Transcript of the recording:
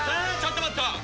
ちょっと待った！